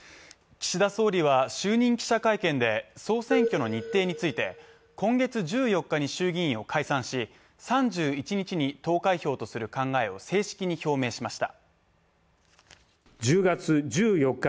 岸田総理は就任記者会見で総選挙の日程について今月１４日に衆議院を解散し３１日に投開票とする考えを正式に表明しました。